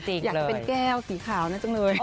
อยากจะเป็นแก้วสีขาวนะจังเลย